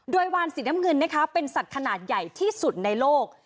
โดยวานสีน้ำเงินนะคะเป็นสัตว์ขนาดใหญ่ที่สุดในโลก